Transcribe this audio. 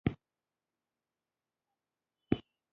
دروسیې الوتکوهوایي ګوزارونوخلکو ته زیان اړولی دی.